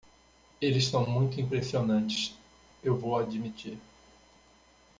Eles são muito impressionantes? eu vou admitir.